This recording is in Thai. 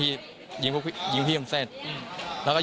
แล้วก็ยิงคนที่ยิงพวกพี่มันเสร็จ